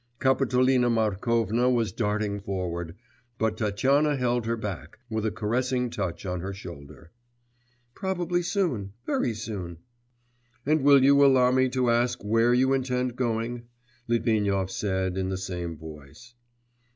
Kapitolina Markovna was darting forward, but Tatyana held her back, with a caressing touch on her shoulder. 'Probably soon, very soon.' 'And will you allow me to ask where you intend going?' Litvinov said in the same voice.